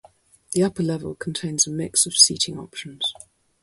The upper level contains a mix of seating options.